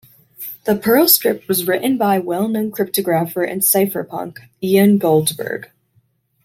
The perl script was written by well known cryptographer and cypherpunk, Ian Goldberg.